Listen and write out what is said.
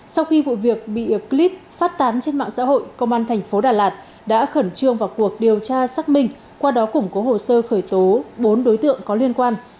sau khi vụ việc bị clip phát tán trên mạng xã hội công an thành phố đà lạt đã khẩn trương vào cuộc điều tra xác minh qua đó củng cố hồ sơ khởi tố bốn đối tượng có liên quan